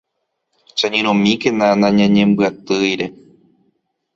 Cheñyrõmíkena nañañembyatýire.